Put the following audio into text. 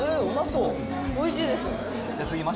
おいしいです。